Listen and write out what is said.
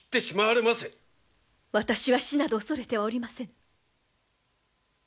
私は死など恐れてはおりませぬ。